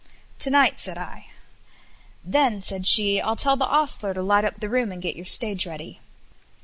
"To night," said I. "Then," said she, "I'll tell the ostler to light up the room and get your stage ready."